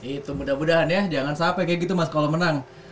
itu mudah mudahan ya jangan sampai kayak gitu mas kalau menang